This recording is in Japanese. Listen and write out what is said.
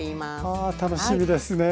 あ楽しみですね。